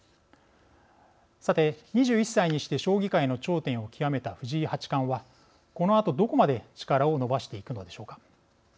さて、２１歳にして将棋界の頂点を極めた藤井八冠はこのあと、どこまで力を伸ばしていくのでしょうか。